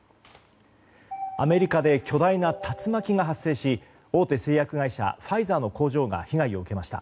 アメリカで巨大な竜巻が発生し大手製薬会社ファイザーの工場が被害を受けました。